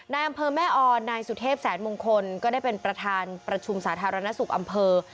อำเภอแม่ออนนายสุเทพแสนมงคลก็ได้เป็นประธานประชุมสาธารณสุขอำเภอ